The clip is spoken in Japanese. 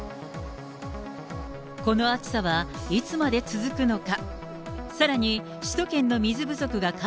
この暑さは、いつまで続くのか。